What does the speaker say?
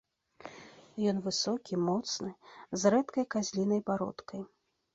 Ён высокі, моцны, з рэдкай казлінай бародкай.